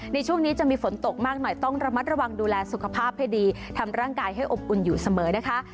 ในช่วงนี้จะมีฝนตกมากหน่อยต้องระมัดระวังดูแลสุขภาพให้ดีทำร่างกายให้อบอุ่นอยู่เสมอนะคะ